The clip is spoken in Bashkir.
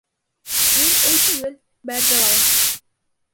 — Мин Эй түгел, Бәрҙе Балаһы.